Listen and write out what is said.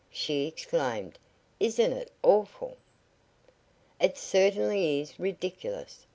she exclaimed. "Isn't it awful?" "It certainly is ridiculous!"